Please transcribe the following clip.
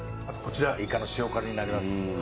あとこちらいかの塩辛になります。